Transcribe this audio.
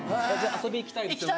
遊び行きたいですよね。